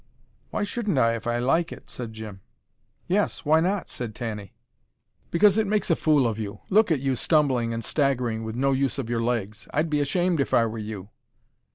"Why shouldn't I, if I like it?" said Jim. "Yes, why not?" said Tanny. "Because it makes a fool of you. Look at you, stumbling and staggering with no use in your legs. I'd be ashamed if I were you."